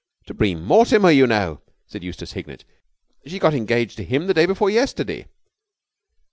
"To Bream Mortimer, you know," said Eustace Hignett. "She got engaged to him the day before yesterday."